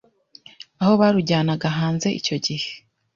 aho barujyanaga hanze icyo gihe